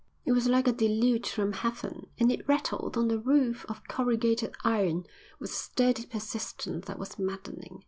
It was like a deluge from heaven, and it rattled on the roof of corrugated iron with a steady persistence that was maddening.